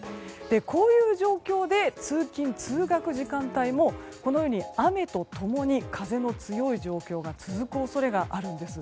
こういう状況で通勤・通学時間帯も雨と共に、風も強い状況が続く恐れがあるんです。